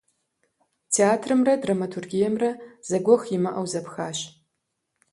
Театрымрэ драматургиемрэ зэгуэх имыӀэу зэпхащ.